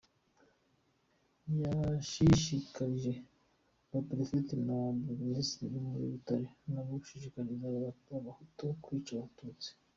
Yashishikarije ba Perefe na burugumesitiri bo muri Butare nabo gushishikariza abahutu kwica Abatutsi.